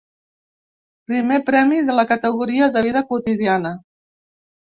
Primer premi de la categoria de vida quotidiana.